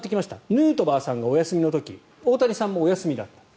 ヌートバーさんがお休みの時大谷さんもお休みだった。